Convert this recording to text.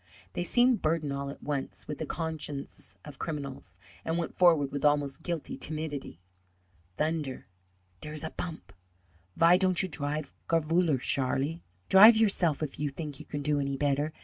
They seemed burdened all at once with the consciences of criminals, and went forward with almost guilty timidity. "Thunder, dere's a bump! Vy don'd you drive garefuller, Sharlie?" "Drive yourself, if you think you can do any better!"